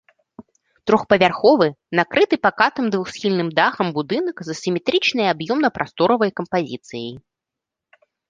Трохпавярховы накрыты пакатым двухсхільным дахам будынак з асіметрычнай аб'ёмна-прасторавай кампазіцыяй.